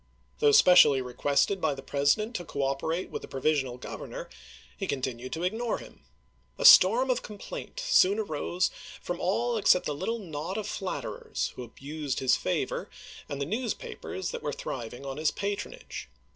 Though specially requested by the President to cooperate with the provisional Gov ernor, he continued to ignore him. A storm of complaint soon arose from all except the little knot of flatterers who abused his favor and the news papers that were thi'iving on his patronage.